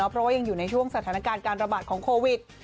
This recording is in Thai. เพราะว่ายังอยู่ในช่วงสถานการณ์การระบาดของโควิด